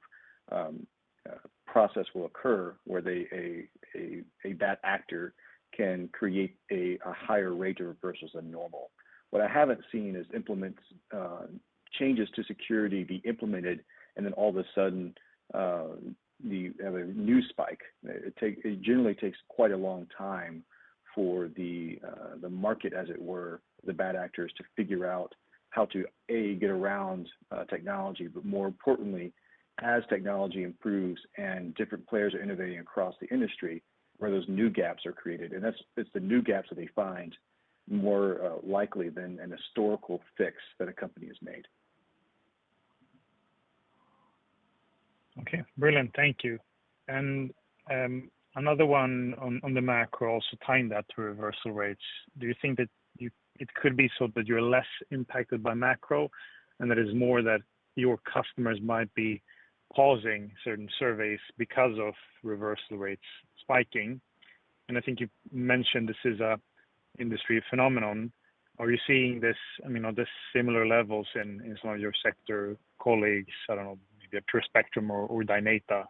process will occur where a bad actor can create a higher rate of reversals than normal. What I haven't seen is implements changes to security be implemented and then all of a sudden, you have a new spike. It generally takes quite a long time for the market, as it were, the bad actors to figure out how to, A, get around technology, but more importantly, as technology improves and different players are innovating across the industry where those new gaps are created.It's the new gaps that they find more likely than an historical fix that a company has made. Brilliant. Thank you. Another one on the macro, also tying that to reversal rates. Do you think that it could be so that you're less impacted by macro and that it's more that your customers might be pausing certain surveys because of reversal rates spiking? I think you mentioned this is a industry phenomenon. I mean, are there similar levels in some of your sector colleagues, I don't know, maybe at PureSpectrum or Dynata,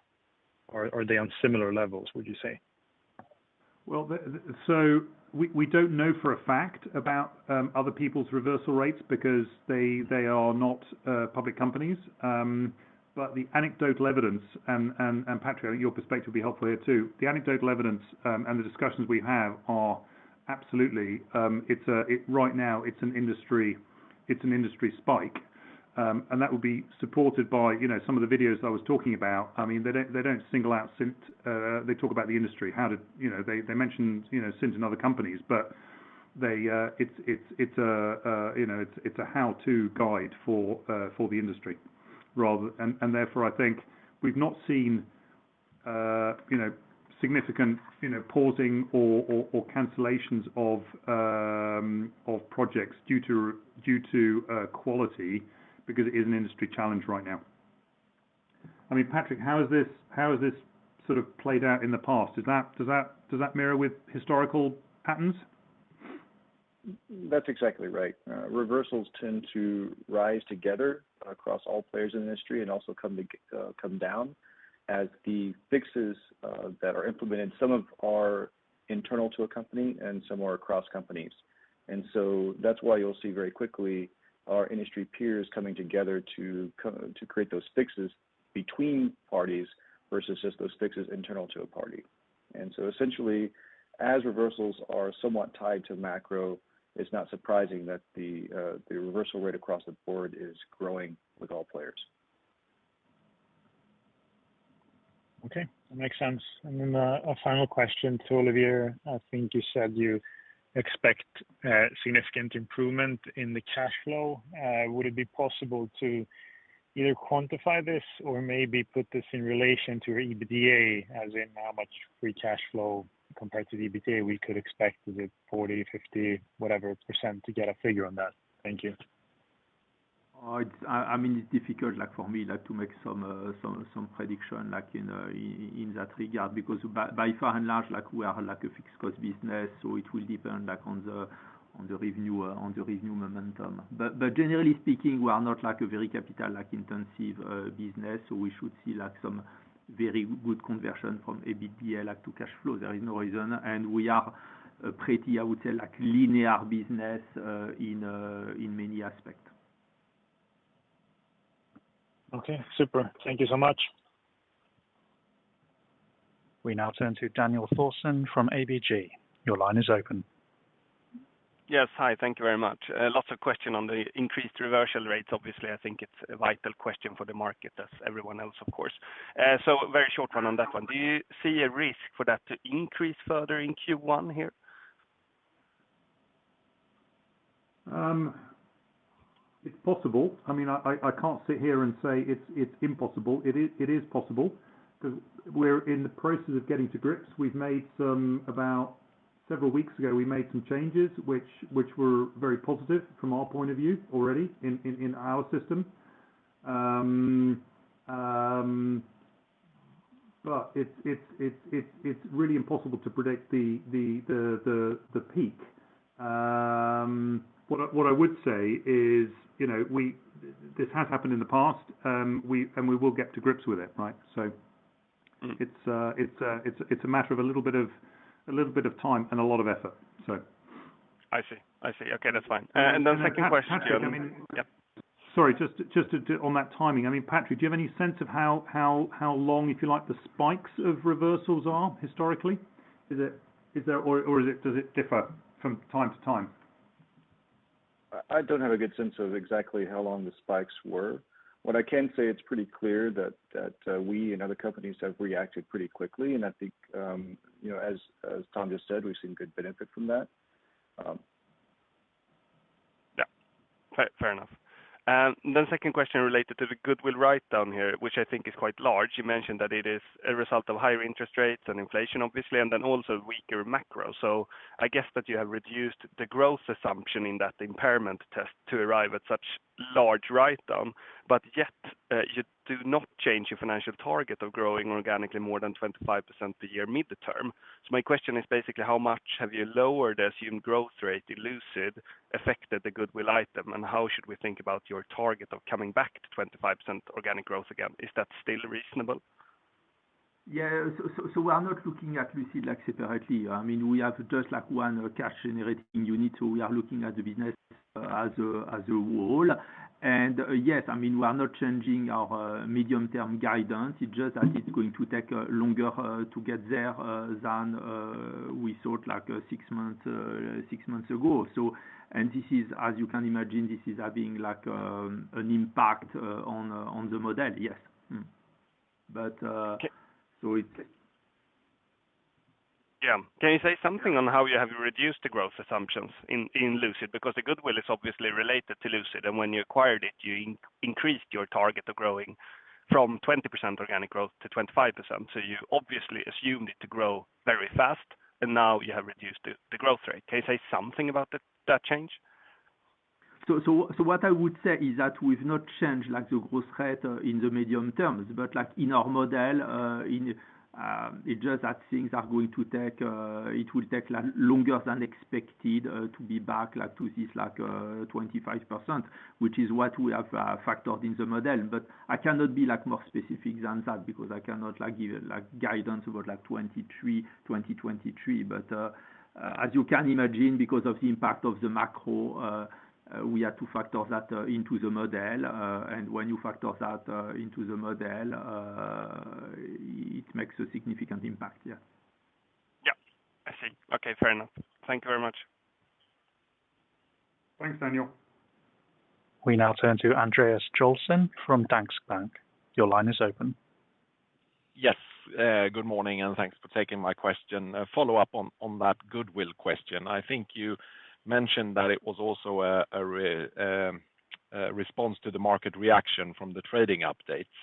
are they on similar levels, would you say? We don't know for a fact about other people's reversal rates because they are not public companies. The anecdotal evidence and Patrick your perspective will be helpful here too. The anecdotal evidence and the discussions we have are absolutely, right now, it's an industry spike. That will be supported by, you know, some of the videos I was talking about. I mean, they don't single out Cint. They talk about the industry. You know, they mention, you know, Cint and other companies, but they, it's a how-to guide for the industry rather. Therefore, I think we've not seen, you know, significant, you know, pausing or cancellations of projects due to quality because it is an industry challenge right now. I mean, Patrick, how has this sort of played out in the past? Does that mirror with historical patterns? That's exactly right. Reversals tend to rise together across all players in the industry and also come down as the fixes that are implemented, some of are internal to a company and some are across companies. That's why you'll see very quickly our industry peers coming together to create those fixes between parties versus just those fixes internal to a party. Essentially, as reversals are somewhat tied to macro, it's not surprising that the reversal rate across the board is growing with all players. Okay, that makes sense. A final question to Olivier. I think you said you expect significant improvement in the cash flow. Would it be possible to either quantify this or maybe put this in relation to EBITDA, as in how much free cash flow compared to EBITDA we could expect, is it 40%, 50%, whatever percent to get a figure on that? Thank you. I mean, it's difficult, like, for me, like, to make some prediction, like, in that regard because by far and large, like, we are, like, a fixed cost business, so it will depend, like, on the revenue momentum. Generally speaking, we are not, like, a very capital, like, intensive business, so we should see, like, some very good conversion from EBITDA, like, to cash flow. There is no reason. We are a pretty, I would say, like, linear business in many aspects. Okay. Super. Thank you so much. We now turn to Daniel Thorsson from ABG. Your line is open. Yes. Hi. Thank you very much. Lots of question on the increased reversal rates. Obviously, I think it's a vital question for the market as everyone else, of course. Very short one on that one. Do you see a risk for that to increase further in Q1 here? It's possible. I mean, I can't sit here and say it's impossible. It is possible 'cause we're in the process of getting to grips. We've made some about... Several weeks ago, we made some changes which were very positive from our point of view already in our system. It's really impossible to predict the peak. What I would say is, you know, this has happened in the past, and we will get to grips with it, right? It's a matter of a little bit of time and a lot of effort, so. I see. Okay, that's fine. Second question to you- Patrick, I mean. Yep. Sorry, just to on that timing. I mean, Patrick, do you have any sense of how long, if you like, the spikes of reversals are historically? Is it, or does it differ from time to time? I don't have a good sense of exactly how long the spikes were. What I can say, it's pretty clear that we and other companies have reacted pretty quickly. I think, you know, as Tom just said, we've seen good benefit from that. Fair enough. Second question related to the goodwill write-down here, which I think is quite large. You mentioned that it is a result of higher interest rates and inflation obviously, also weaker macro. I guess that you have reduced the growth assumption in that impairment test to arrive at such large write-down, but yet, you do not change your financial target of growing organically more than 25% a year mid-term. My question is basically how much have you lowered assumed growth rate in Lucid affected the goodwill item? And how should we think about your target of coming back to 25% organic growth again? Is that still reasonable? Yeah. So we are not looking at Lucid like separately. I mean, we have just like one cash generating unit, so we are looking at the business as a, as a whole. Yes, I mean, we are not changing our medium-term guidance. It's just that it's going to take longer to get there than we thought like six months ago. This is, as you can imagine, this is having like an impact on the model. Yes. Yeah. Can you say something on how you have reduced the growth assumptions in Lucid? Because the goodwill is obviously related to Lucid, and when you acquired it, you increased your target of growing from 20% organic growth to 25%. You obviously assumed it to grow very fast, and now you have reduced the growth rate. Can you say something about that change? What I would say is that we've not changed like the growth rate, in the medium terms, but like in our model, it's just that things are going to take, it will take like longer than expected, to be back, like, to this, like, 25%, which is what we have, factored in the model. I cannot be, like, more specific than that because I cannot, like, give a, like, guidance about, like, 2023. As you can imagine, because of the impact of the macro, we had to factor that, into the model. When you factor that, into the model, it makes a significant impact. Yeah. Yeah. I see. Okay. Fair enough. Thank you very much. Thanks, Daniel. We now turn to Andreas Joelsson from Danske Bank. Your line is open. Yes. Good morning, thanks for taking my question. A follow-up on that goodwill question. I think you mentioned that it was also a response to the market reaction from the trading updates.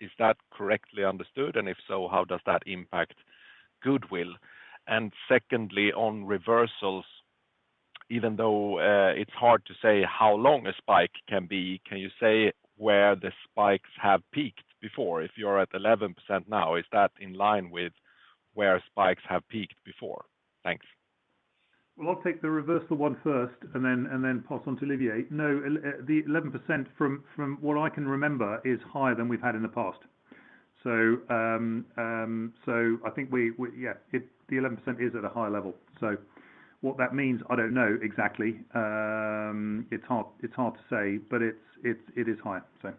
Is that correctly understood? If so, how does that impact goodwill? Secondly, on reversals, even though it's hard to say how long a spike can be, can you say where the spikes have peaked before? If you're at 11% now, is that in line with where spikes have peaked before? Thanks. I'll take the reversal one first and then pass on to Olivier. The 11% from what I can remember is higher than we've had in the past. I think we, yeah, the 11% is at a higher level. What that means, I don't know exactly. It's hard to say, but it is higher, so.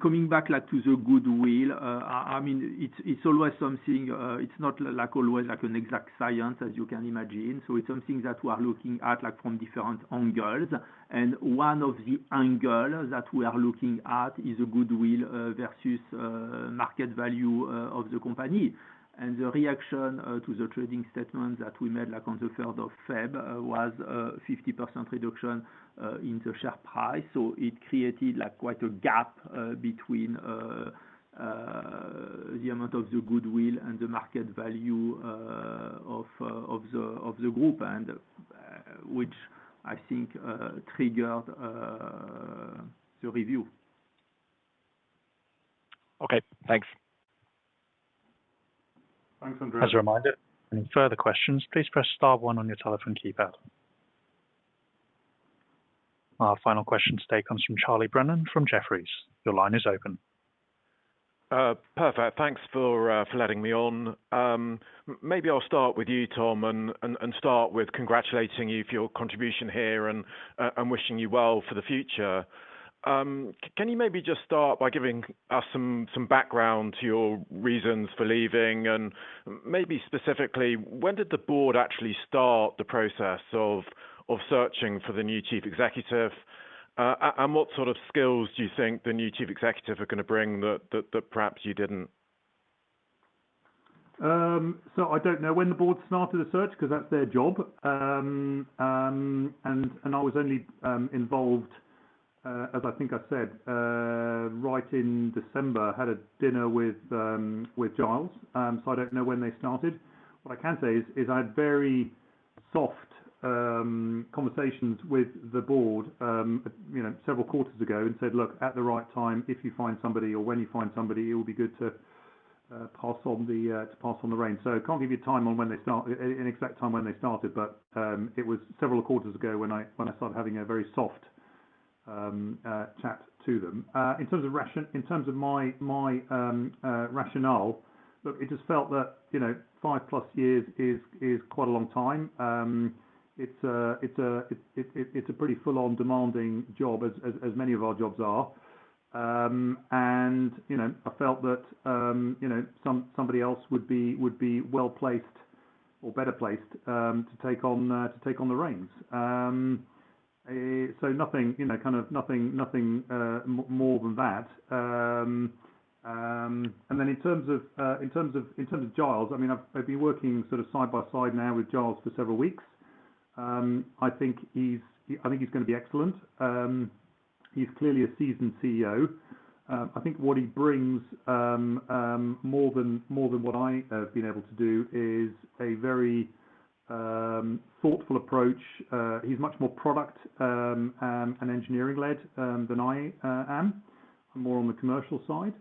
Coming back, like, to the goodwill, I mean, it's always something, it's not like always like an exact science, as you can imagine. So it's something that we are looking at, like, from different angles. One of the angle that we are looking at is the goodwill versus market value of the company. The reaction to the trading statement that we made, like, on the 3rd of February, was a 50% reduction in the share price. So it created, like, quite a gap between the amount of the goodwill and the market value of the group, which I think triggered the review. Okay, thanks. Thanks, Andreas. As a reminder, any further questions, please press star one on your telephone keypad. Our final question today comes from Charles Brennan from Jefferies. Your line is open. Perfect. Thanks for letting me on. Maybe I'll start with you, Tom, and start with congratulating you for your contribution here and wishing you well for the future. Can you maybe just start by giving us some background to your reasons for leaving and maybe specifically, when did the board actually start the process of searching for the new chief executive? What sort of skills do you think the new chief executive are gonna bring that perhaps you didn't? I don't know when the board started the search 'cause that's their job. I was only involved as I think I said right in December. Had a dinner with Giles. I don't know when they started. What I can say is I had very soft conversations with the board, you know, several quarters ago and said, "Look, at the right time, if you find somebody or when you find somebody, it will be good to pass on the reign." Can't give you time on an exact time when they started. It was several quarters ago when I started having a very soft chat to them. In terms of my rationale, look, it just felt that, you know, five plus years is quite a long time. It's a pretty full-on demanding job as many of our jobs are. You know, I felt that, you know, somebody else would be well-placed or better placed to take on the reins. Nothing, you know, kind of nothing more than that. In terms of Giles, I mean, I've been working sort of side by side now with Giles for several weeks. I think he's gonna be excellent. He's clearly a seasoned CEO. I think what he brings, more than what I have been able to do is a very thoughtful approach. He's much more product and engineering led than I am. I'm more on the commercial side.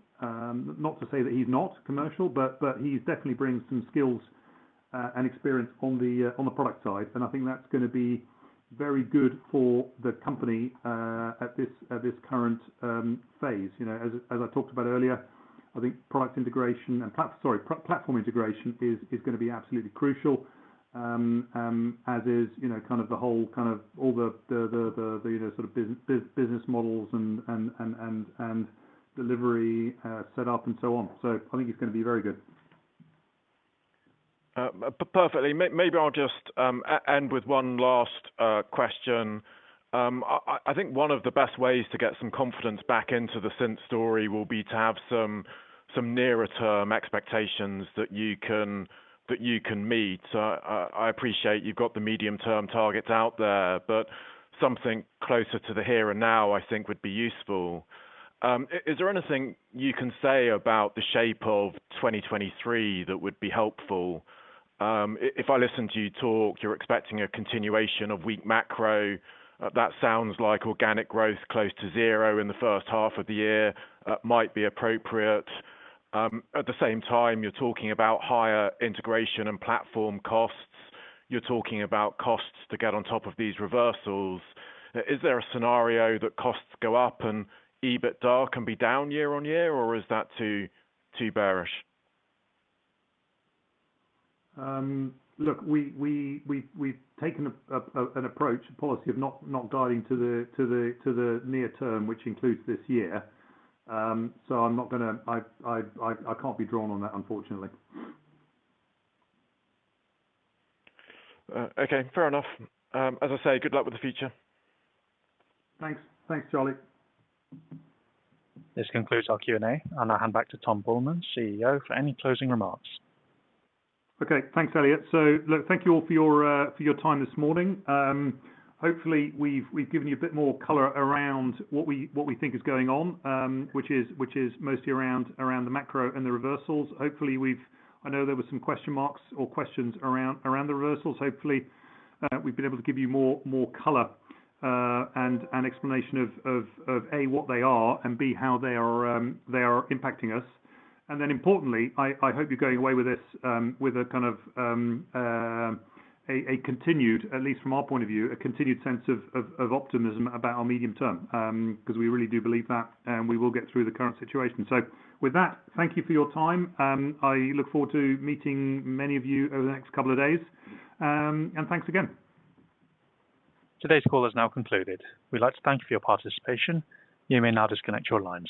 Not to say that he's not commercial, but he definitely brings some skills and experience on the product side, and I think that's gonna be very good for the company at this current phase. You know, as I talked about earlier, I think product integration and platform integration is gonna be absolutely crucial. As is, you know, kind of the whole all the, you know, sort of business models and delivery set up and so on. I think it's gonna be very good. Perfectly. Maybe I'll just end with one last question. I think one of the best ways to get some confidence back into the Cint story will be to have some nearer term expectations that you can meet. I appreciate you've got the medium term targets out there, something closer to the here and now I think would be useful. Is there anything you can say about the shape of 2023 that would be helpful? If I listen to you talk, you're expecting a continuation of weak macro. That sounds like organic growth close to zero in the first half of the year might be appropriate. At the same time, you're talking about higher integration and platform costs. You're talking about costs to get on top of these reversals. Is there a scenario that costs go up and EBITDA can be down year-on-year, or is that too bearish? look, we've taken an approach policy of not guiding to the near term, which includes this year. I can't be drawn on that, unfortunately. Okay, fair enough. as I say, good luck with the future. Thanks, Charlie. This concludes our Q&A. I hand back to Tom Buehlmann, CEO, for any closing remarks. Okay. Thanks, Elliot. Look, thank you all for your time this morning. Hopefully, we've given you a bit more color around what we think is going on, which is mostly around the macro and the reversals. Hopefully, I know there were some question marks or questions around the reversals. Hopefully, we've been able to give you more color and an explanation of A, what they are, and B, how they are impacting us. Importantly, I hope you're going away with this with a kind of a continued, at least from our point of view, a continued sense of optimism about our medium term, 'cause we really do believe that and we will get through the current situation. With that, thank you for your time. I look forward to meeting many of you over the next couple of days. Thanks again. Today's call is now concluded. We'd like to thank you for your participation. You may now disconnect your lines.